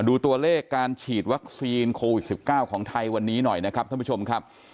ดูตัวเลขการฉีดวัคซีนโควิด๑๙ของไทยวันนี้หน่อยนะครับท่านผู้ชมครับ